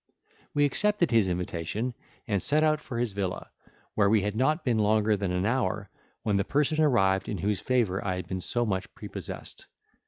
We accepted his invitation, and set out for his villa, where we had not been longer than an hour, when the person arrived in whose favour I had been so much prepossessed.